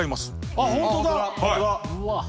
あっ本当だ！